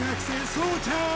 そうちゃん